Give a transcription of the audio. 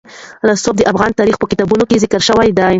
رسوب د افغان تاریخ په کتابونو کې ذکر شوی دي.